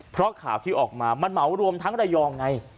เพราะข่าวที่ออกมามันเหมารวมทั้งระยองไง